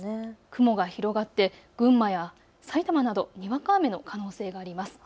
雲が広がって群馬や埼玉などにわか雨の可能性があります。